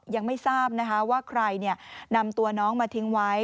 ยังไม่ทราบนะคะว่าใครนำตัวน้องมาทิ้งไว้